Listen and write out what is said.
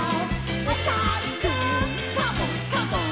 「おさるくんカモンカモン」